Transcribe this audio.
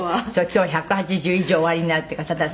「今日は１８０以上おありになるっていう方ですけども」